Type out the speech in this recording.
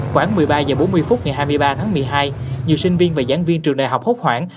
khoảng một mươi ba h bốn mươi phút ngày hai mươi ba tháng một mươi hai nhiều sinh viên và giảng viên trường đại học hốt khoảng